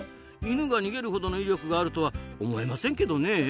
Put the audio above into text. イヌが逃げるほどの威力があるとは思えませんけどねえ。